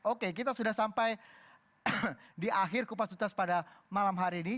oke kita sudah sampai di akhir kupas tuntas pada malam hari ini